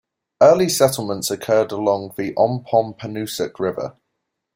Early settlements occurred along the Ompompanoosuc River.